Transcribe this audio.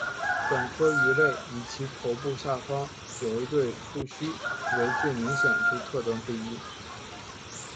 本科鱼类以其头部下方有一对触须为最明显之特征之一。